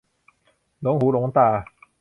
หลงหูหลงตา